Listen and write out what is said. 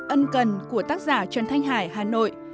ân cần của tác giả trần thanh hải hà nội